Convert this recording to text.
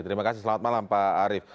terima kasih selamat malam pak arief